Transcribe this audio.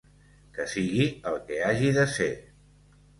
Que sigui el que hagi de ser.